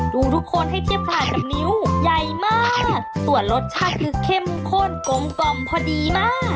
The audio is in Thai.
ดูทุกคนให้เทียบขาดกับนิ้วใหญ่มากส่วนรสชาติคือเข้มข้นกลมกล่อมพอดีมาก